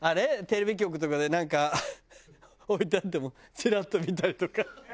テレビ局とかでなんか置いてあってもチラッと見たりとか。